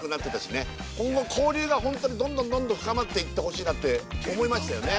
今後交流が本当にどんどんどんどん深まっていってほしいなって思いましたよね。